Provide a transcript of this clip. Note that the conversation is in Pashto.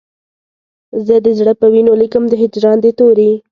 زه د زړه په وینو لیکم د هجران د توري